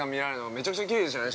めちゃくちゃきれいでしたね